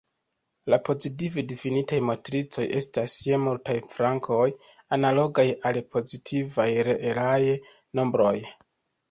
La pozitive difinitaj matricoj estas je multaj flankoj analogaj al pozitivaj reelaj nombroj.